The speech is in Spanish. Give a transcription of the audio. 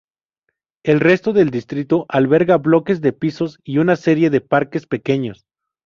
El resto del distrito alberga bloques de pisos y una serie de parques pequeños.